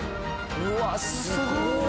うわっすごい！